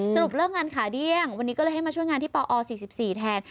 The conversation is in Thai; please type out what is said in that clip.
สรุปเลิกงานขาเดี้ยงวันนี้ก็เลยให้มาช่วยงานที่ปอ๔๔แทน